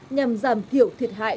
nhằm giảm thiểu thiệt hại